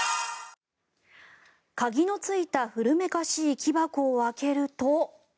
鍵のついた古めかしい木箱を開けると。